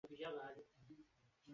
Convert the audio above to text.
Programu ya uongozi